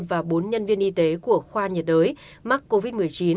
và bốn nhân viên y tế của khoa nhiệt đới mắc covid một mươi chín